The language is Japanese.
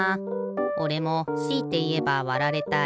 おれもしいていえばわられたい。